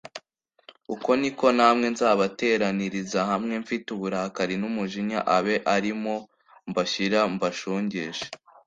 uko ni ko namwe nzabateraniriza hamwe mfite uburakari n’umujinya, abe ari mo mbashyira mbashongeshe